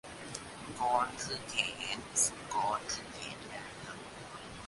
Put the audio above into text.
กรคือแขน สุกรก็แขนงาม